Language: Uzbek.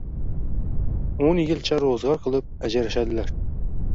O‘n jilcha ro‘zg‘or qilib, ajrashadilar